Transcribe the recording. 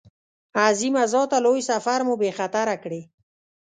عظیمه ذاته لوی سفر مو بې خطره کړې.